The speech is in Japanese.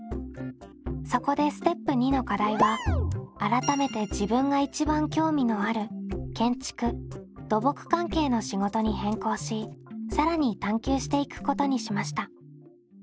そこでステップ②の課題は改めて自分が一番興味のある建築・土木関係の仕事に変更し更に探究していくことにしました。